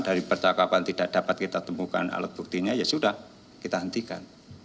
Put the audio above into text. dari percakapan tidak dapat kita temukan alat buktinya ya sudah kita hentikan